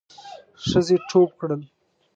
ښځې ټوپ کړل.